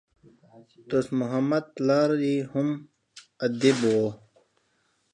دوست محمد پلار ئې هم ادیب وو.